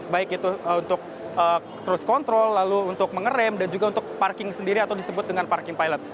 baik itu untuk terus control lalu untuk mengerem dan juga untuk parking sendiri atau disebut dengan parking pilot